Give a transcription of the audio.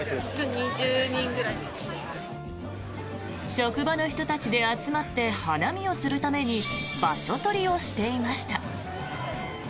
職場の人たちで集まって花見をするために場所取りをしていました。